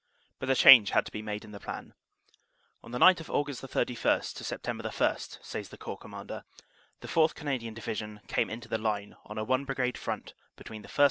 But a change had to be made in the plan. "On the night of Aug. 3 1 Sept. 1," says the Corps Commander, "the 4th. Canadian Divi sion came into the line on a one Brigade front between the 1st.